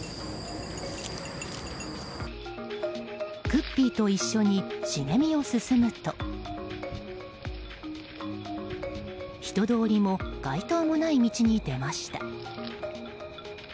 クッピーと一緒に茂みを進むと人通りも街灯もない道に出ました。